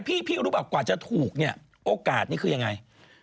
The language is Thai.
พี่รู้เปล่ากว่าจะถูกเนี่ยโอกาสนี้คือยังไง